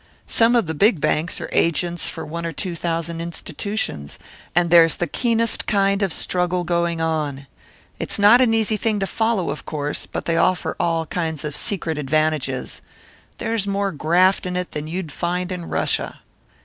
Some of the big banks are agents for one or two thousand institutions, and there's the keenest kind of struggle going on. It's not an easy thing to follow, of course; but they offer all kinds of secret advantages there's more graft in it than you'd find in Russia."